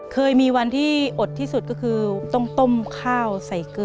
เปลี่ยนเพลงเพลงเก่งของคุณและข้ามผิดได้๑คำ